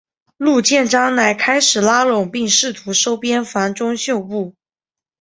陆建章乃开始拉拢并试图收编樊钟秀部。